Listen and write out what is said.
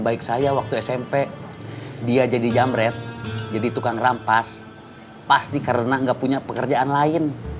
baik saya waktu smp dia jadi jamret jadi tukang rampas pasti karena nggak punya pekerjaan lain